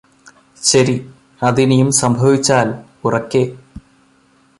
ശരി അതിനിയും സംഭവിച്ചാല് ഉറക്കെ